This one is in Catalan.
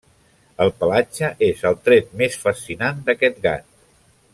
El pelatge és el tret més fascinant d'aquest gat.